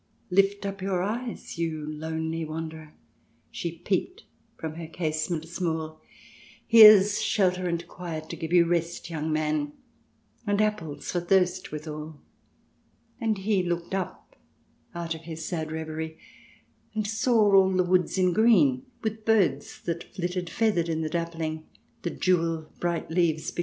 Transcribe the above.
"' Lift up your eyes, you lonely Wanderer,' She peeped from her casement small ;' Here's shelter and quiet to give you rest, young man, And apples for thirst withal.' " And he looked up out of his sad reverie, And saw all the woods in green, With birds that flitted feathered in the dappling. The jewel bright leaves between. CH.